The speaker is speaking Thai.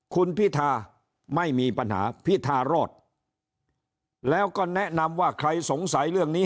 คุณพิธาไม่มีปัญหาพิธารอดแล้วก็แนะนำว่าใครสงสัยเรื่องนี้